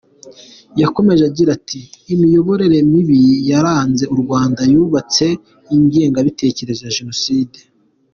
Yakomeje agira ati “Imiyoborere mibi yaranze u Rwanda yubatse ingengabitekerezo ya Jenoside.